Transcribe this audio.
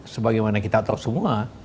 sebagaimana kita tahu semua